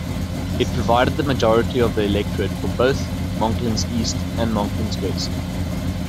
It provided the majority of the electorate for both Monklands East and Monklands West.